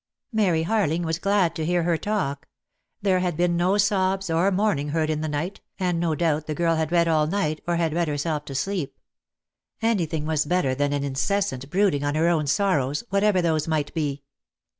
Mary Harling was glad to hear her talk. There had been no sobs or moaning heard in the night, and no doubt the girl had read all night, or had read herself to sleep. Anything was better than an incessant brooding on her own sorrows, whatever those might be.